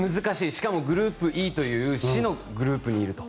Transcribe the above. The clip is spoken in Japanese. しかもグループＥという死のグループにいると。